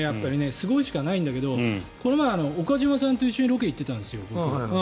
すごいしかないんだけどこの前、岡島さんと一緒にロケに行ってたんです。